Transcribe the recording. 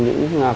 những con người